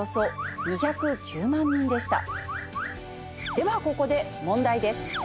ではここで問題です。